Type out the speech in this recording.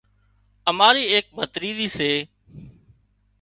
اماري ايڪ ڀتريزِي سي